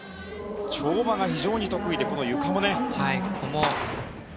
跳馬が非常に得意でこのゆかもね。